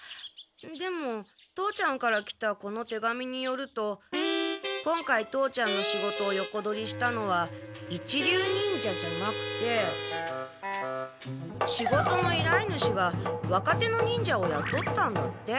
でも父ちゃんから来たこの手紙によると今回父ちゃんの仕事を横取りしたのは一流忍者じゃなくて仕事の依頼主が若手の忍者をやとったんだって。